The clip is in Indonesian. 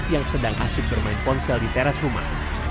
yang sedang asik bermain ponsel di teras rumah